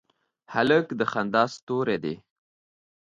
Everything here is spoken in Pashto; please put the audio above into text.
هلک د خندا ستوری دی.